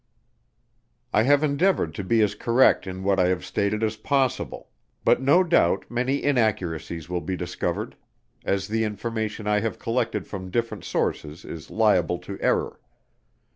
_ _I have endeavoured to be as correct in what I have stated as possible, but no doubt many inaccuracies will be discovered, as the information I have collected from different sources is liable to error.